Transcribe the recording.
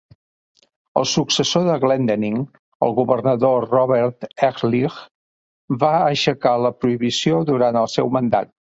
El successor de Glendening, el governador Robert Ehrlich, va aixecar la prohibició durant el seu mandat.